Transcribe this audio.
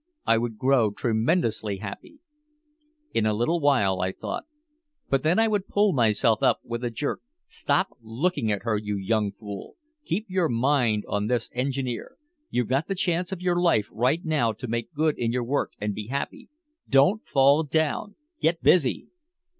I would grow tremendously happy. "In a little while," I thought. But then I would pull myself up with a jerk: "Stop looking at her, you young fool, keep your mind on this engineer. You've got the chance of your life right now to make good in your work and be happy. Don't fall down! Get busy!"